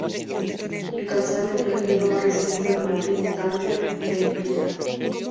Incansable viajero ha residido en Madrid, Tánger e Ibiza.